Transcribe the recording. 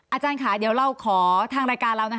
อาจารย์ค่ะเดี๋ยวเราขอทางรายการเรานะคะ